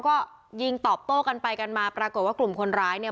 ก็ยิงตอบโต้กันไปกันมาปรากฏว่ากลุ่มคนร้ายเนี่ย